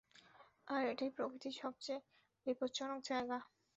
আর এটাই প্রকৃতির সবচেয়ে বিপজ্জনক জায়গা।